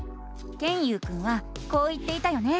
ケンユウくんはこう言っていたよね。